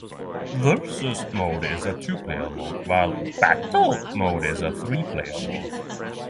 Vs Mode is a two-player mode, while Battle Mode is a three-player mode.